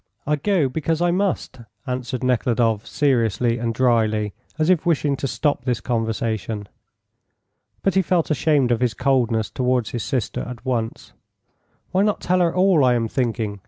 "I go because I must," answered Nekhludoff, seriously and dryly, as if wishing to stop this conversation. But he felt ashamed of his coldness towards his sister at once. "Why not tell her all I am thinking?"